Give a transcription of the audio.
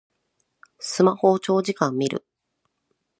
スマホを長時間みる